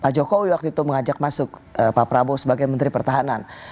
pak jokowi waktu itu mengajak masuk pak prabowo sebagai menteri pertahanan